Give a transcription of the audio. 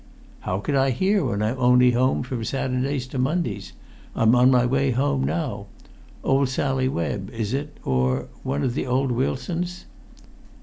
"How could I hear when I'm only home from Saturdays to Mondays? I'm on my way home now. Old Sally Webb—is it—or one of the old Wilsons?"